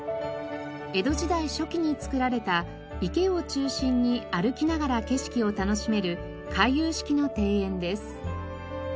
江戸時代初期につくられた池を中心に歩きながら景色を楽しめる回遊式の庭園です。